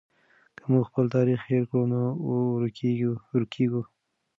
که موږ خپل تاریخ هېر کړو نو ورکېږو.